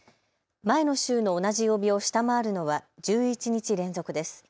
前の週の同じ曜日を下回るのは１１日連続です。